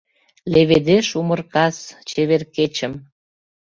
Леведеш умыр кас чевер кечым.